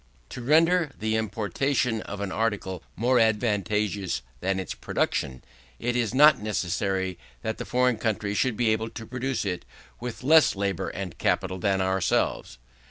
To render the importation of an article more advantageous than its production, it is not necessary that the foreign country should be able to produce it with less labour and capital than ourselves.